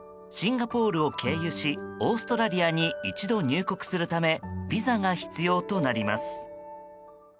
シンガポールを経由しオーストラリアに一度、入国するためビザが必要となります。